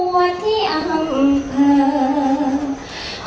มาขึ้นรับถูก